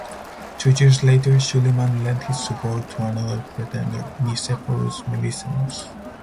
Two years later, Suleyman lent his support to another pretender, Nicephorus Melissenus.